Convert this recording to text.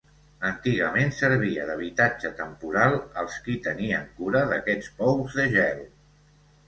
Antigament servia d'habitatge temporal als qui tenien cura d'aquests pous de gel.